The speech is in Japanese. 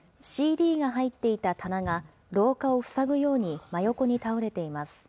ＣＤが入っていた棚が、廊下を塞ぐように真横に倒れています。